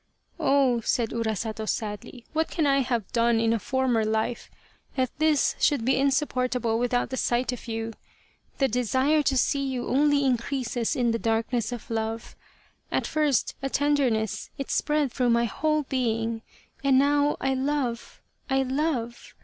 " Oh !" said Urasato, sadly, " what can I have done in a former life that this should be insupportable without the sight of you ? The desire to see you only increases in the darkness of love. At first, a tender ness, it spread through my whole being, and now I love I love.